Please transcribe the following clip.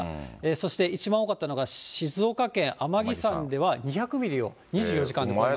そして一番多かったのが静岡県天城山では、２００ミリを２４時間で超えました。